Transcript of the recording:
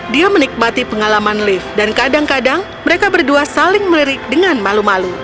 dia menikmati pengalaman lift dan kadang kadang mereka berdua saling melirik dengan malu malu